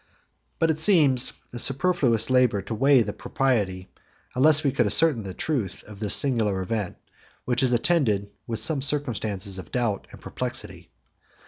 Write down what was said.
But it seems a superfluous labor to weigh the propriety, unless we could ascertain the truth, of this singular event, which is attended with some circumstances of doubt and perplexity.